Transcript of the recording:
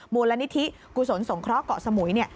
มูลนิธิกุศลสงเคราะห์เกาะสมุยเนี่ย